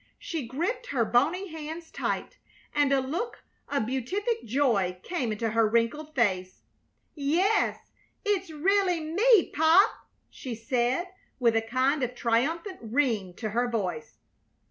She gripped her bony hands tight and a look of beatific joy came into her wrinkled face. "Yes, it's really me, Pop!" she said, with a kind of triumphant ring to her voice.